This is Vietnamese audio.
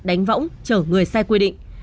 đánh võng chở người sai quy định